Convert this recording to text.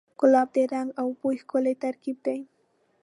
ګلاب د رنګ او بوی ښکلی ترکیب دی.